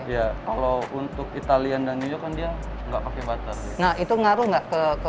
ya kalau untuk italian dan new york kan dia enggak pakai butter nah itu ngaruh enggak ke